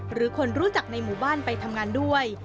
หรือคนรู้จักในหมู่บ้านไปทำงานด้วย